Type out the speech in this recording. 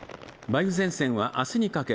梅雨前線はあすにかけ